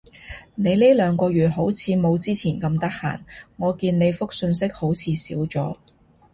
你呢兩個月好似冇之前咁得閒？我見你覆訊息好似少咗